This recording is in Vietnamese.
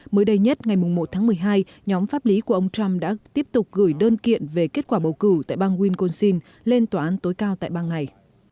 mới đây nhất ngày một tháng một mươi hai nhóm pháp lý của ông trump đã tiếp tục gửi đơn kiện về kết quả bầu cử tại bang wisconsin lên tòa án tối cao tại bang này